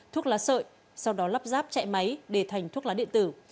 thuốc lá sợi sau đó lắp ráp chạy máy để thành thuốc lá điện tử